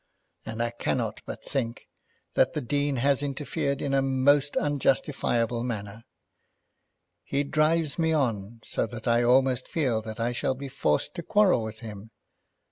And I cannot but think that the Dean has interfered in a most unjustifiable manner. He drives me on, so that I almost feel that I shall be forced to quarrel with him.